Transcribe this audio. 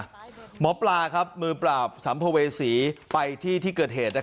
หมอปลามือปราบสัมภเวษีไปที่ที่เกิดเหตุ